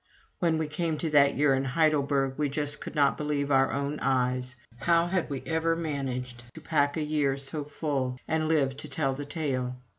When we came to that year in Heidelberg, we just could not believe our own eyes. How had we ever managed to pack a year so full, and live to tell the tale?